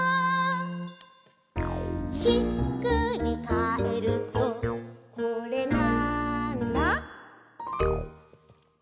「ひっくりかえるとこれ、なんだ？」